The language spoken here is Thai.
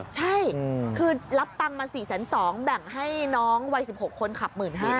ใช่คือรับตังค์มา๔๒๐๐แบ่งให้น้องวัย๑๖คนขับ๑๕๐๐